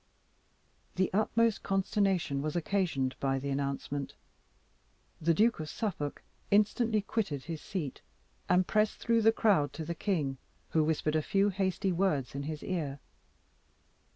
The utmost consternation was occasioned by the announcement. The Duke of Suffolk instantly quitted his seat, and pressed through the crowd to the king, who whispered a few hasty words in his ear.